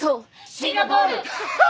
シンガポール！